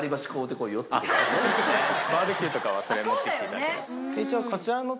バーベキューとかはそれ持ってきて頂ければ。